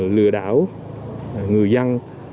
lừa đảo người dân